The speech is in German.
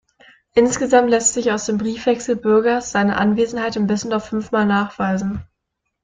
Insgesamt lässt sich aus dem Briefwechsel Bürgers seine Anwesenheit in Bissendorf fünfmal nachweisen.